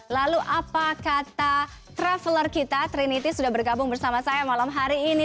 lalu apa kata traveler kita trinity sudah bergabung bersama saya malam hari ini